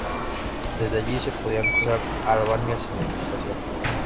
Desde allí, se podía cruzar a Albania sin inhibiciones.